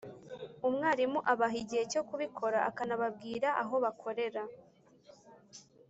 Umwarimu abaha igihe cyo kubikora akanababwira aho bakorera